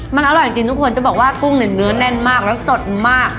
มันอร่อยจริงทุกคนจะบอกว่ากุ้งเนี่ยเนื้อแน่นมากแล้วสดมาก